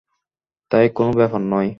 তাই, কোনো ব্যাপার নয়।